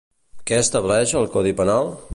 Què estableix el Codi Penal?